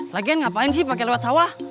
lagian ngapain sih pakai lewat sawah